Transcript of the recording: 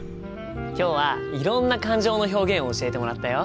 今日はいろんな感情の表現を教えてもらったよ。